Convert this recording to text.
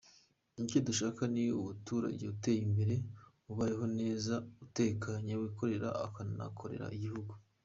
icyo dushaka ni umuturage uteye imbere, ubayeho neza, utekanye, wikorera akanakorera igihugu.